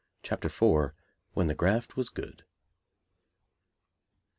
CHAPTER IV. _When the Graft Was Good.